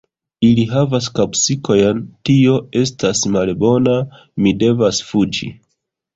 Ili havas kapsikojn tio estas malbona; mi devas fuĝi